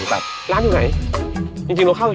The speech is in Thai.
ไปเร็ว